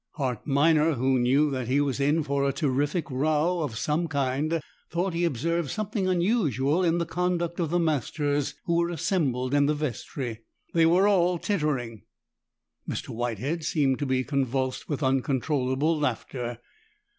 Hart Minor, who knew that he was in for a terrific row of some kind, thought he observed something unusual in the conduct of the masters who were assembled in the vestry. They were all tittering. Mr. Whitehead seemed to be convulsed with uncontrollable laughter.